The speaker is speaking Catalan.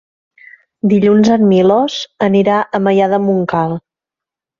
Dilluns en Milos anirà a Maià de Montcal.